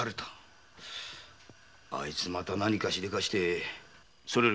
あいつまた何かしでかして。